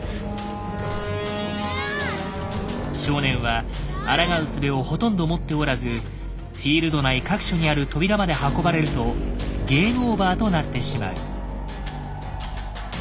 少年はあらがうすべをほとんど持っておらずフィールド内各所にある扉まで運ばれるとゲームオーバーとなってしまう。